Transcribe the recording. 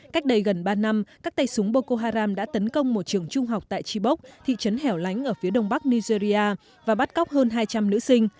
cách đây gần ba năm các tay súng bokoharam đã tấn công một trường trung học tại tribok thị trấn hẻo lánh ở phía đông bắc nigeria và bắt cóc hơn hai trăm linh nữ sinh